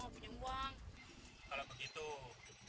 kita dapat tidak